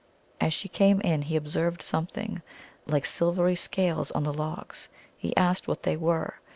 As she came in he observed something like silvery scales on the logs. He asked what they were.